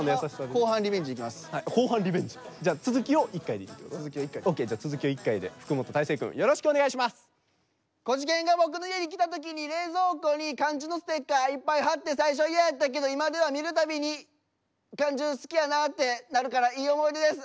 こじけんが僕の家に来た時に冷蔵庫に関ジュのステッカーいっぱい貼って最初嫌やったけど今では見るたびに関ジュ好きやなってなるからいい思い出です。